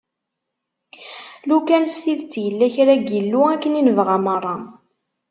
Lukan s tidet yella kra n yillu, akken i nebɣa merra.